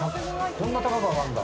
◆こんな高く上がるんだ。